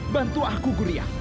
bantu aku gurian